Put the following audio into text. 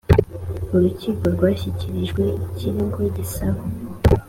urukiko rwashyikirijwe ikirego gisaba